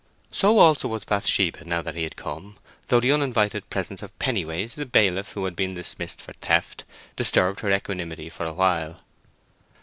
So also was Bathsheba now that he had come, though the uninvited presence of Pennyways, the bailiff who had been dismissed for theft, disturbed her equanimity for a while.